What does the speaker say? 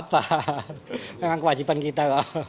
enggak apa apa memang kewajiban kita